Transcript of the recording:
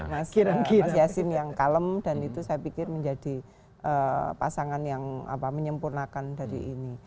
mas yassin yang kalem dan itu saya pikir menjadi pasangan yang menyempurnakan dari ini